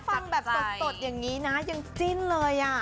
ฟังแบบสดอย่างนี้นะยังจิ้นเลย